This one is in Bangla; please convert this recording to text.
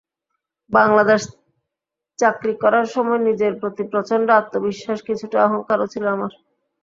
বাংলাদেশে চাকরি করার সময় নিজের প্রতি প্রচণ্ড আত্মবিশ্বাস, কিছুটা অহংকারও ছিল আমার।